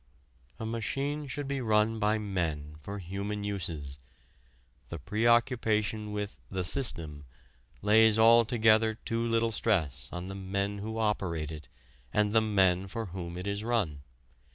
A machine should be run by men for human uses. The preoccupation with the "system" lays altogether too little stress on the men who operate it and the men for whom it is run.